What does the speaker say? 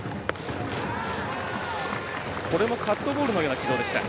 これもカットボールのような軌道でした。